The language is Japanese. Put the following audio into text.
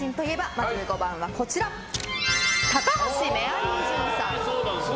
まず５番高橋メアリージュンさん。